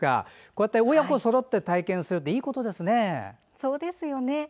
こうやって親子そろって体験するっていいことですよね。